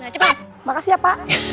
cepat makasih ya pak